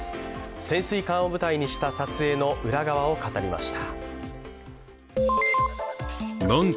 潜水艦を舞台にした撮影の裏側を語りました。